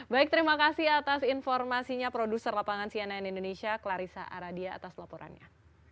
baik terima kasih atas informasinya produser lapangan cnn indonesia clarissa aradia atas laporannya